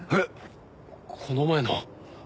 この前の。